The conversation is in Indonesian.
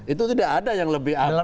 itu tidak ada yang lebih awal